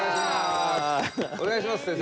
お願いします先生。